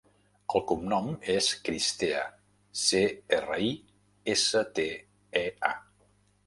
El cognom és Cristea: ce, erra, i, essa, te, e, a.